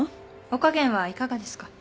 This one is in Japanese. お加減はいかがですか？